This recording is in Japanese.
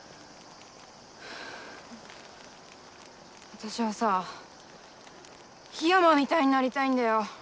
私はさ檜山みたいになりたいんだよ！